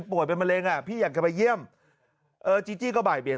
เป็นมะเร็งอ่ะพี่อยากจะไปเยี่ยมเออจีจี้ก็บ่ายเบียง